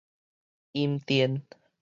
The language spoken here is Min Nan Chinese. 陰電